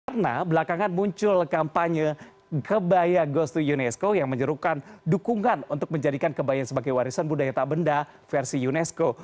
karena belakangan muncul kampanye kebaya goes to unesco yang menyerukan dukungan untuk menjadikan kebaya sebagai warisan budaya tak benda versi unesco